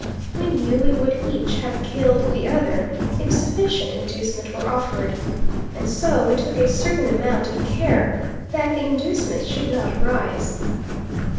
We knew we would each have killed the other, if sufficient inducement were offered, and so we took a certain amount of care that the inducement should not arise.